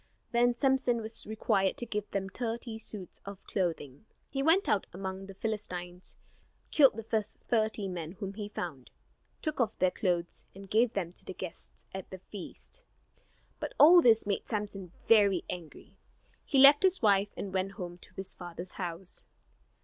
Then Samson was required to give them thirty suits of clothing. He went out among the Philistines, killed the first thirty men whom he found, took off their clothes, and gave them to the guests at the feast. But all this made Samson very angry. He left his wife and went home to his father's house.